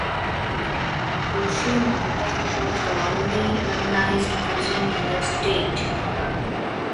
Brushy Mountain was the only unionized prison in the state.